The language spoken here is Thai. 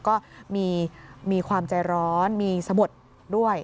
ก็มีความใจร้อนมีสะบดด้วย